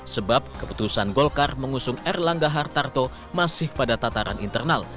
sebab keputusan golkar mengusung erlangga hartarto masih pada tataran internal